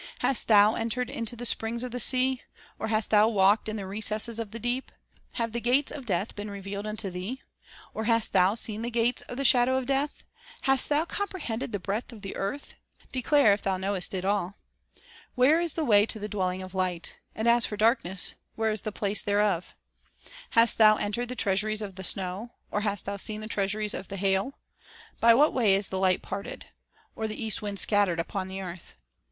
..." Hast thou entered into the springs of the sea? Or hast thou walked in the recesses of the deep? Have the gates of death been revealed unto thee ? Or hast thou seen the gates of the shadow of death ? Hast thou comprehended the breadth of the earth ? Declare, if thou knowest it all. "Where is the way to the dwelling of light, And as for darkness, where is the place thereof ?... (159) Poetry of the Bible The Earliest Poem 160 The Bible as an Educator " Hast thou entered the treasuries of the snow, Or hast thou seen the treasuries of the hail? .. By what way is the light parted, Or the east wind scattered upon the earth